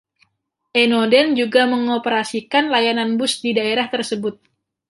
Enoden juga mengoperasikan layanan bus di daerah tersebut.